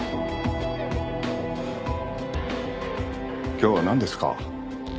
今日はなんですか？